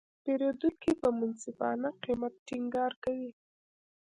پیرودونکي په منصفانه قیمت ټینګار کوي.